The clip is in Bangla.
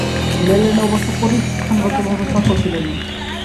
লেল্যান্ড অবশ্য পরিসংখ্যানগতভাবে সফল ছিলেন না।